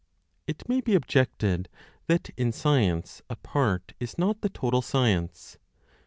It may be objected that in science a part is not the total science.